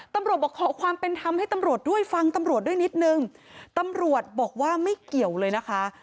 ตำรวจบอกขอความเป็นธรรมให้ตำรวจด้วยฟังตำรวจด้วยนิดนึงตำรวจบอกว่าไม่เกี่ยวเลยนะคะ